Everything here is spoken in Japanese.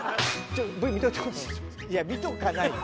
いや見とかないよ。